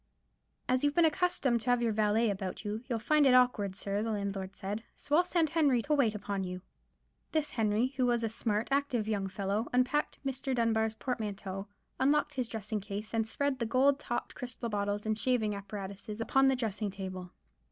"As you've been accustomed to have your valet about you, you'll find it awkward, sir," the landlord had said; "so I'll send Henry to wait upon you." This Henry, who was a smart, active young fellow, unpacked Mr. Dunbar's portmanteau, unlocked his dressing case, and spread the gold topped crystal bottles and shaving apparatus upon the dressing table.